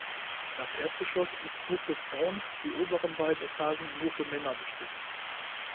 Das Erdgeschoss ist nur für Frauen, die oberen beiden Etagen nur für Männer bestimmt.